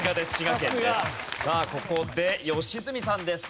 さあここで良純さんです。